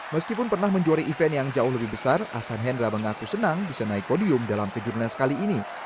meskipun pernah menjuari event yang jauh lebih besar ahsan hendra mengaku senang bisa naik podium dalam kejurnas kali ini